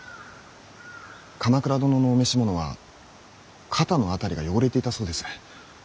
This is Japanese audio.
鎌倉殿のお召し物は肩の辺りが汚れていたそうです。